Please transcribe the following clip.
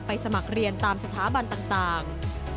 สมัครเรียนตามสถาบันต่าง